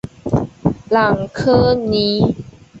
朗科尼。